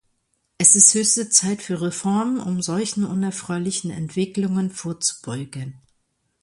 Es ist höchste Zeit für Reformen, um solchen unerfreulichen Entwicklungen vorzubeugen.